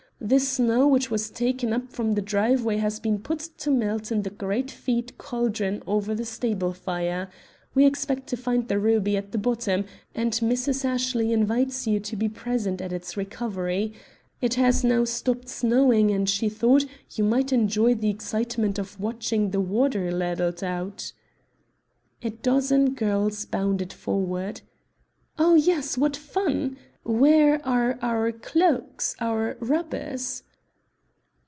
The snow which was taken up from the driveway has been put to melt in the great feed caldron over the stable fire. We expect to find the ruby at the bottom, and Mrs. Ashley invites you to be present at its recovery. It has now stopped snowing and she thought you might enjoy the excitement of watching the water ladled out." A dozen girls bounded forward. "Oh, yes, what fun! where are our cloaks our rubbers?"